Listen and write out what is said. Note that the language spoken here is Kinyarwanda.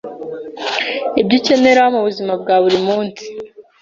ibyo ukenera mu buzima bwa buri munsi,